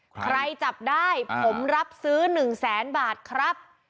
ใครจับได้ผมรับซื้อ๑แสนบาทครับ